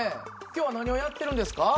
今日は何をやってるんですか？